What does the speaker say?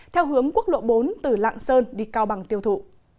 theo hướng quốc lộ bốn từ lạng sơn đi cao bằng tiêu thụ